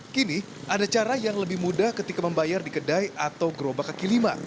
kini ada cara yang lebih mudah ketika membayar di kedai atau gerobak kaki lima